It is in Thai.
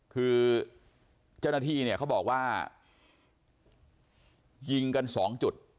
คือเจ้าหน้าที่เนี่ยเขาบอกว่ายิงกันสองจุด